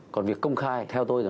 còn việc công khai theo tôi